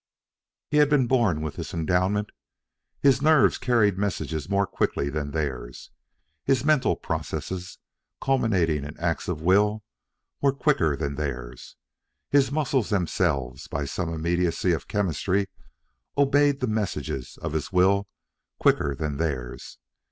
He had been born with this endowment. His nerves carried messages more quickly than theirs; his mental processes, culminating in acts of will, were quicker than theirs; his muscles themselves, by some immediacy of chemistry, obeyed the messages of his will quicker than theirs.